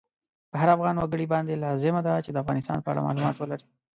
په هر افغان وګړی باندی لازمه ده چی د افغانستان په اړه مالومات ولری